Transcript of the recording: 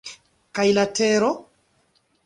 Kaj la tero?